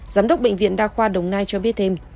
giám đốc bệnh viện đa khoa đồng nai cho biết thêm